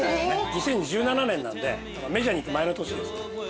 ２０１７年なのでメジャーに行く前の年ですね。